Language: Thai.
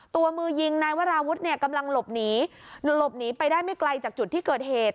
ตัวมือยิงนายวราวุฒิเนี่ยกำลังหลบหนีหลบหนีไปได้ไม่ไกลจากจุดที่เกิดเหตุ